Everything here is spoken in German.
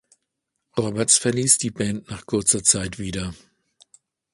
Roberts verließ die Band nach kurzer Zeit wieder.